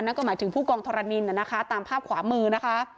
นั่นก็หมายถึงผู้กองทรนินนะคะตามภาพขวามือนะคะ